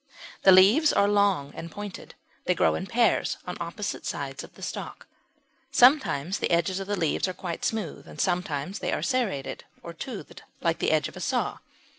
The leaves are long and pointed, and they grow in pairs, on opposite sides of the stalk. Sometimes the edges of the leaves are quite smooth; sometimes they are serrated, or toothed, like the edge of a saw.